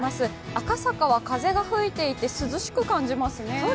赤坂は風が吹いていて涼しく感じますね。